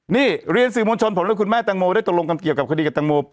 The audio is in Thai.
นี่เรียนสิวมนชนผมและคุณแม่ตังโมได้ตรงรวมกับการเกี่ยวกับคดีกับตังโม